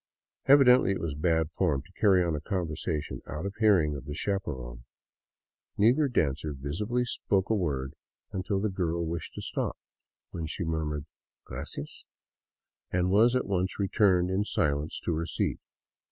Evidently it was " bad form " to carry on a conversation out of hearing of the chaperon. Neither dancer visibly spoke a word until 154 THE CITY OF THE EQUATOR the girl wished to stop, when she murmured " gracias " and was at once returned in silence to her seat.